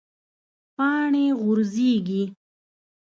پاڼې غورځیږي